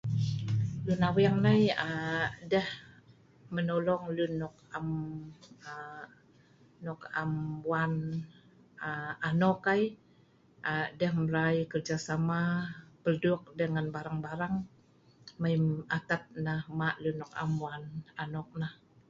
Luen aweng nai aa.. deh menolong luen nok am aa.. nok am wan aa.. anok ai a.. deeh mbrai kerjasama. peldiuk deh ngan barang-barang mai atat nah mmaq luen nok am wan anok nah